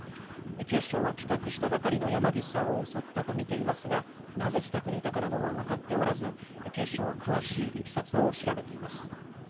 警視庁は帰宅したばかりの山岸さんを襲ったとみていますがなぜ自宅にいたかなどは分かっておらず警視庁は詳しいいきさつを調べています。